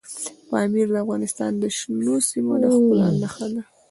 پامیر د افغانستان د شنو سیمو د ښکلا نښه ده.